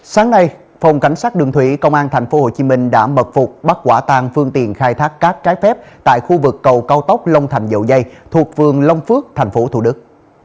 sáng nay phòng cảnh sát đường thủy công an tp hcm đã mật phục bắt quả tàng phương tiện khai thác cát trái phép tại khu vực cầu cao tốc long thành dậu dây thuộc phường long phước tp thủ đức